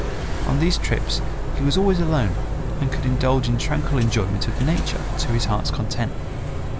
On these trips he was always alone and could indulge in tranquil enjoyment of Nature to his heart's content.